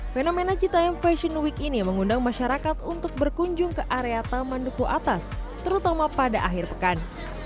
fenomena citayam fashion week ini mengundang masyarakat untuk berkunjung ke area taman duku atas terutama pada akhir pekan